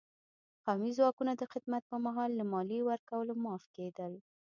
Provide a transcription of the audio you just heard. قومي ځواکونه د خدمت په مهال له مالیې ورکولو معاف کېدل.